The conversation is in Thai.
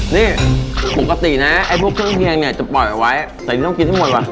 นี่ปกตินะไอ้พวกเครื่องเคียงเนี่ยจะปล่อยเอาไว้แต่นี่ต้องกินให้หมดว่ะ